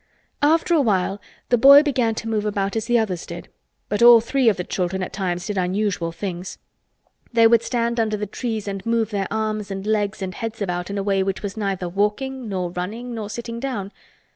After a while the boy began to move about as the others did, but all three of the children at times did unusual things. They would stand under the trees and move their arms and legs and heads about in a way which was neither walking nor running nor sitting down.